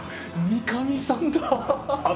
三上さんだ。